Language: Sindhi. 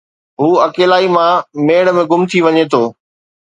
هُو اڪيلائيءَ مان ميڙ ۾ گم ٿي وڃي ٿو